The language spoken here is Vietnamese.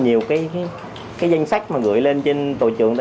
nhiều cái danh sách mà gửi lên trên tổ trưởng đó